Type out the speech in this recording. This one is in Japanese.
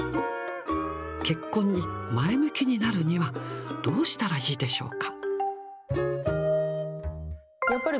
結婚に前向きになるにはどうしたらいいでしょうか。